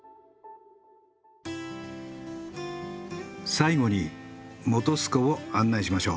最後に本栖湖を案内しましょう。